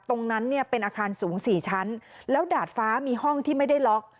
ตรงนั้นเนี่ยเป็นอาคารสูงสี่ชั้นแล้วดาดฟ้ามีห้องที่ไม่ได้ล็อก